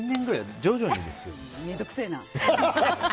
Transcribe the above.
面倒くせえな！